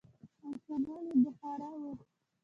او شمال يې بخارا و.